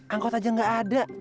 angkot aja gaada